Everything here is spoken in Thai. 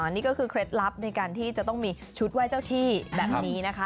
นี่ก็คือเคล็ดลับในการที่จะต้องมีชุดไหว้เจ้าที่แบบนี้นะคะ